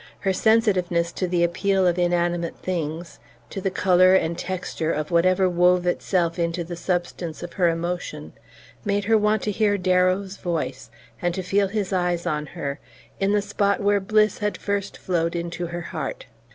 Her sensitiveness to the appeal of inanimate things, to the colour and texture of whatever wove itself into the substance of her emotion, made her want to hear Darrow's voice, and to feel his eyes on her, in the spot where bliss had first flowed into her heart.